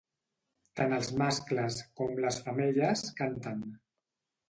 Tant els mascles com les femelles canten.